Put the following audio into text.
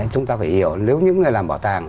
chúng ta phải hiểu nếu những người làm bảo tàng